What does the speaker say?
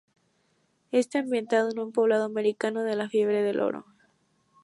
Está ambientado en un poblado americano de la fiebre del oro.